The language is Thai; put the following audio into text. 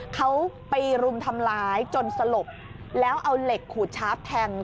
เขาไปรุมทำร้ายจนสลบแล้วเอาเหล็กขูดชาร์ฟแทง